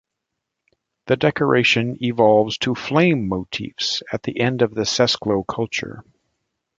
The decoration evolves to flame motifs at the end of the Sesklo culture.